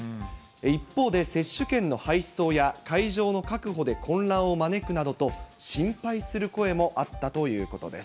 一方で、接種券の配送や会場の確保で混乱を招くなどと心配する声もあったということです。